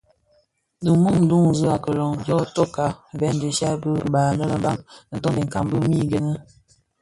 Di mum duňzi a kiloň dyo tsokka bèn dhishya di ribaï anë lè Mbam ntondakèn mii gene.